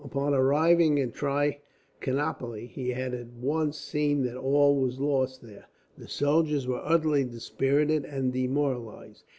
Upon arriving at Trichinopoli, he had at once seen that all was lost, there. The soldiers were utterly dispirited and demoralized.